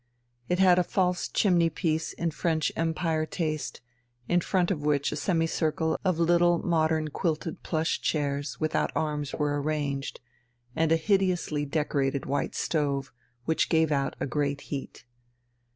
It had a false chimney piece in French Empire taste, in front of which a semicircle of little modern quilted plush chairs without arms were arranged, and a hideously decorated white stove, which gave out a great heat.